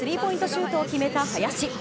シュートを決めた林。